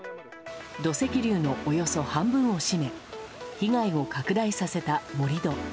土石流のおよそ半分を占め被害を拡大させた盛り土。